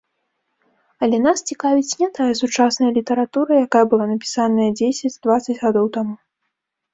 Але нас цікавіць не тая сучасная літаратура, якая была напісаная дзесяць-дваццаць гадоў таму.